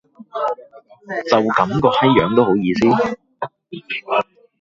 就噉個閪樣都好意思